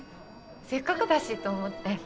せっかくだしと思って。